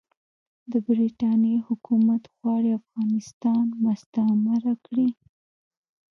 د برټانیې حکومت غواړي افغانستان مستعمره کړي.